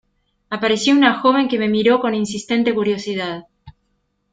Apareció una joven que me miró con insistente curiosidad.